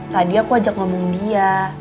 tadi aku ajak ngomong dia